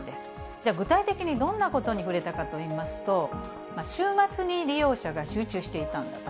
じゃあ具体的にどんなことに触れたかといいますと、週末に利用者が集中していたんだと。